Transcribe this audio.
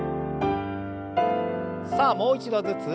さあもう一度ずつ。